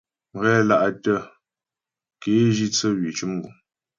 Mghɛla'tə ke jǐ tsə hwî cʉm guŋ.